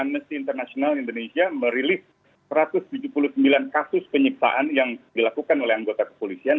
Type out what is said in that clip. amnesty international indonesia merilis satu ratus tujuh puluh sembilan kasus penyiksaan yang dilakukan oleh anggota kepolisian